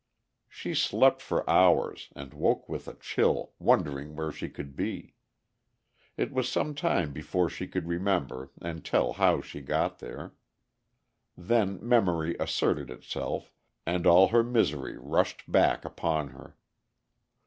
She slept for hours, and woke with a chill, wondering where she could be. It was some time before she could remember and tell how she got there. Then memory asserted itself, and all her misery rushed back upon her.